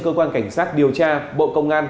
cơ quan cảnh sát điều tra bộ công an